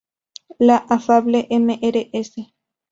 La afable Mrs.